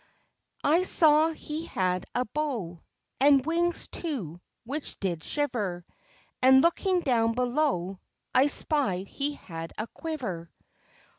I saw he had a bow, And wings too, which did shiver; And looking down below, I spied he had a quiver.